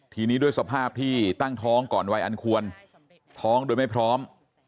ทีนี้ด้วยสภาพที่ตั้งท้องก่อนวัยอันควรท้องโดยไม่พร้อม